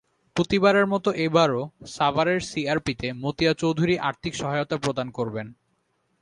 প্রতিবারের মতো এবারও সাভারের সিআরপিতে মতিয়া চৌধুরী আর্থিক সহায়তা প্রদান করবেন।